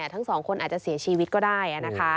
ทั้งสองคนอาจจะเสียชีวิตก็ได้นะคะ